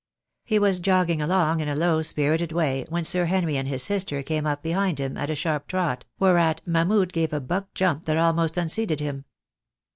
He was jogging along in a low spirited way when Sir Henry and his sister came up behind him at a sharp trot, whereat Mahmud gave a buck jump that almost unseated him.